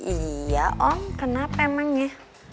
iya om kenapa emangnya